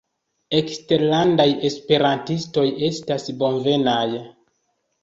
Eksterlandaj esperantistoj estas bonvenaj.